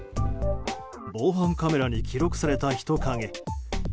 防犯カメラに記録された人影。